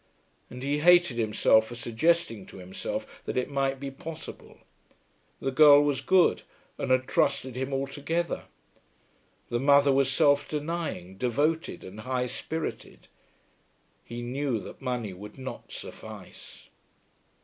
And he hated himself for suggesting to himself that it might be possible. The girl was good, and had trusted him altogether. The mother was self denying, devoted, and high spirited. He knew that money would not suffice.